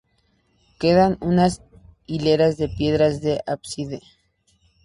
Quedan unas hileras de piedras del ábside.